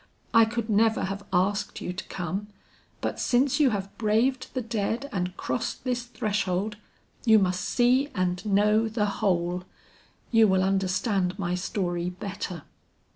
"I could never have asked you to come, but since you have braved the dead and crossed this threshold, you must see and know the whole. You will understand my story better."